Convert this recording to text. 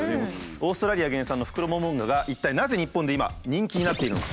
オーストラリア原産のフクロモモンガが一体なぜ日本で今人気になっているのか。